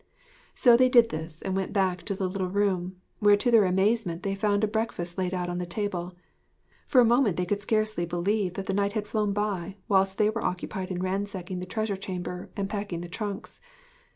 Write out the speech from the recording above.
So they did this and went back to the little room, where to their amazement they found a breakfast laid on the table. For a moment they could scarcely believe that the night had flown by whilst they were occupied in ransacking the treasure chamber and packing the trunks.